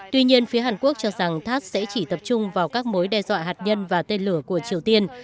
tuy nhiên phía hàn quốc cho rằng tháp sẽ chỉ tập trung vào các mối đe dọa hạt nhân và tên lửa của triều tiên